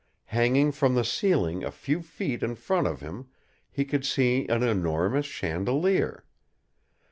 Hanging from the ceiling a few feet in front of him he could see an enormous chandelier.